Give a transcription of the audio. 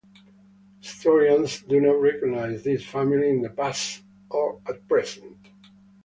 Historians do not recognize this family in the past or at present.